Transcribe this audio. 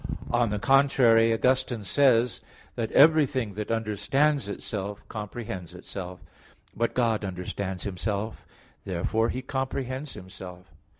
On the contrary, Augustine says (Octog. Tri. Quaest. xv), that "Everything that understands itself, comprehends itself." But God understands Himself. Therefore He comprehends Himself.